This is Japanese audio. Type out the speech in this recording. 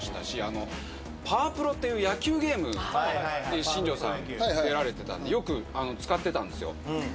パワプロっていう野球ゲームに新庄さん出られてたんでよく使ってたんですよ。